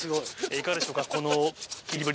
いかがでしょうか？